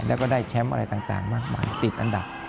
แล้วก็ได้แชมป์อะไรต่างมากมายติดอันดับ